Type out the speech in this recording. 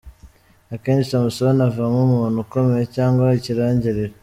Akenshi Samson avamo umuntu ukomeye cg ikirangirire.